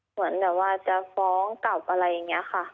เหมือนแบบว่าจะฟ้องกลับอะไรอย่างนี้ค่ะ